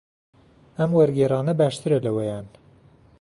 ئەم وەرگێڕانە باشترە لەوەیان.